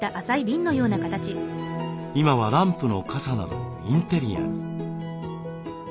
今はランプのかさなどインテリアに。